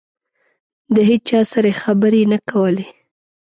د هېچا سره یې خبرې نه کولې.